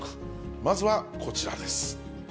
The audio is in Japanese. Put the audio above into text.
まずはこちらです。